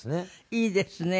いいですね。